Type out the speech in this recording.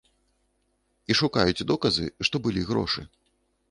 І шукаюць доказы, што былі грошы.